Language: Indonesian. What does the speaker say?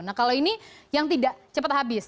nah kalau ini yang tidak cepat habis